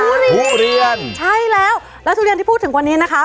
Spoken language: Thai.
ทุเรียนใช่แล้วแล้วทุเรียนที่พูดถึงวันนี้นะคะ